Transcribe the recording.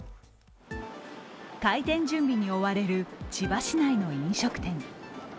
開店準備に追われる千葉市内の飲食店。